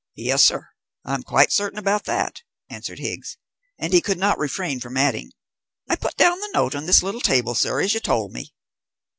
"Yes, sir, I am quite certain about that," answered Higgs; and he could not refrain from adding, "I put down the note on this little table, sir, as you told me."